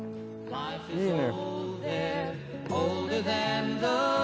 いいね。